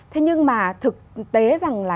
thế nhưng mà thực tế rằng là